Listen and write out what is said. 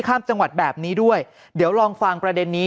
ข้ามจังหวัดแบบนี้ด้วยเดี๋ยวลองฟังประเด็นนี้